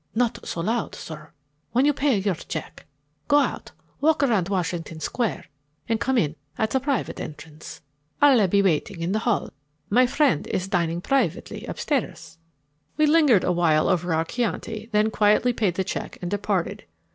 "Not so loud, sir. When you pay your check, go out, walk around Washington Square, and come in at the private entrance. I'll be waiting in the hall. My friend is dining privately upstairs." We lingered a while over our chianti, then quietly paid the check and departed.